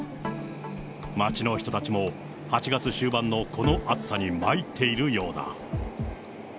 街の人たちも８月終盤のこの暑さにまいっているようだ。